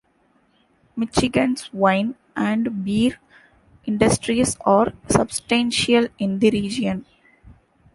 Michigan's wine and beer industries are substantial in the region.